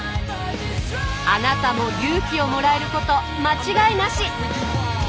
あなたも勇気をもらえること間違いなし！